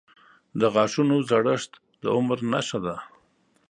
• د غاښونو زړښت د عمر نښه ده.